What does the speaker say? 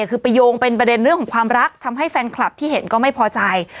คือไปโยงเป็นประเด็นเรื่องของความรักทำให้แฟนคลับที่เห็นก็ไม่พอใจ